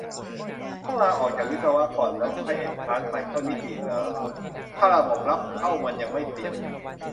ต้องลาออกจากวิศวะก่อน แล้วค่อยเอ็นทรานซ์ใหม่เข้านิติเหรอ ถ้าระบบรับเข้ามันยังไม่เปลี่ยน ?